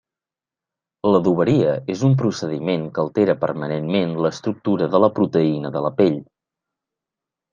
L'adoberia és un procediment que altera permanentment l'estructura de la proteïna de la pell.